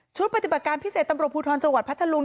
ปฏิบัติการพิเศษตำรวจภูทรจังหวัดพัทธลุง